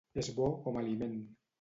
És bo com a aliment.